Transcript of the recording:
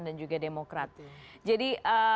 dan juga demokrat jadi